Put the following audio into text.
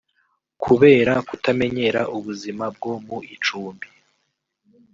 Kubera kutamenyera ubuzima bwo mu icumbi